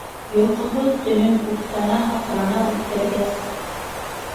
Йоҡоһоҙ төнөн уфтана-һыҡрана үткәргәс.